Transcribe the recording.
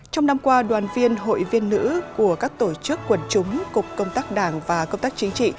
trong năm qua đoàn viên hội viên nữ của các tổ chức quần chúng cục công tác đảng và công tác chính trị